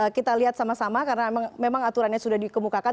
kita lihat sama sama karena memang aturannya sudah dikemukakan